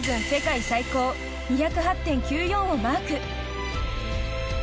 世界最高２０８．９４をマーク。